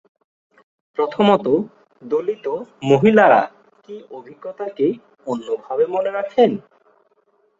প্রথমত, দলিত মহিলারা কি অভিজ্ঞতাকে অন্য ভাবে মনে রাখেন?